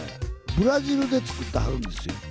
ブラジルで作ってはるんですよ。